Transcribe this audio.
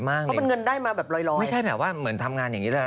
ไม่ใช่แบบว่าเมื่อทำงานอย่างนี้แหละ